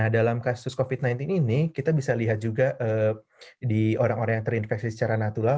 dalam kasus covid sembilan belas ini kita bisa lihat juga di orang orang yang terinfeksi secara natural